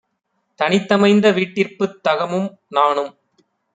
தனித்தமைந்த வீட்டிற்புத் தகமும் நானும்